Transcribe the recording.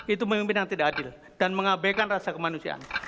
itu pemimpin yang tidak adil dan mengabaikan rasa kemanusiaan